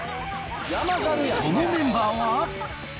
そのメンバーは。